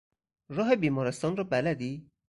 راه بیمارستان را بلدی؟